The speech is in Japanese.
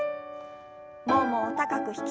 ももを高く引き上げて。